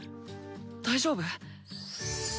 大丈夫？」。